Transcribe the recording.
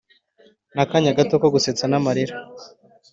n'akanya gato ko gusetsa n'amarira,